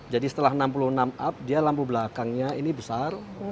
jadi setelah enam puluh enam up dia lampu belakangnya ini besar